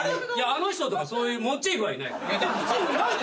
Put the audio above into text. あの人とかそういうモチーフはいない。